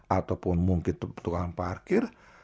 ataupun mungkin tukang parkir